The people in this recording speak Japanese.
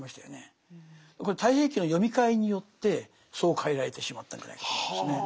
これ「太平記」の読み替えによってそう変えられてしまったんじゃないかと思いますね。